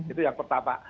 itu yang pertama